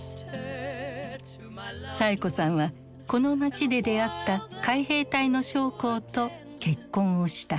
サエ子さんはこの街で出会った海兵隊の将校と結婚をした。